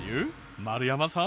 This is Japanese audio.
丸山さん。